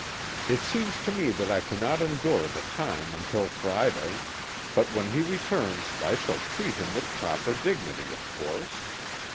It seems to me that I cannot endure the time until Friday but when he returns I shall treat him with proper dignity, of course.